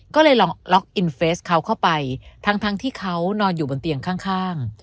ก็เลยลองล็อกอินเฟสเขาเข้าไปทั้งที่เขานอนอยู่บนเตียงข้าง